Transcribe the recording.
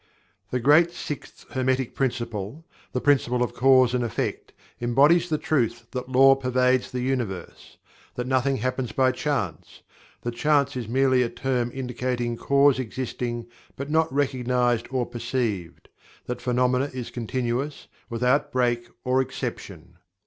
The great Sixth Hermetic Principle the Principle of Cause and Effect embodies the truth that Law pervades the Universe; that nothing happens by Chance; that Chance is merely a term indicating cause existing but not recognized or perceived; that phenomena is continuous, without break or exception.